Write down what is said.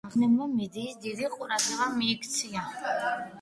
ამ აღმოჩენამ მედიის დიდი ყურადღება მიიქცია.